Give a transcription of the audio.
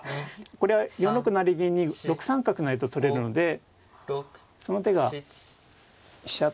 これは４六成銀に６三角成と取れるのでその手が飛車取りになって。